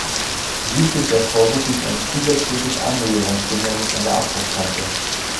Südlich der Vorburg liegt ein zusätzliches Annäherungshindernis an der Abbruchkante.